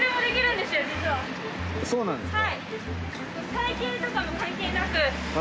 ・そうなんですか？